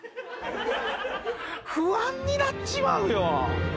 不安になっちまうよ。